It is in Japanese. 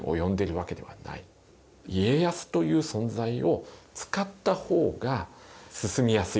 家康という存在を使った方が進みやすいと。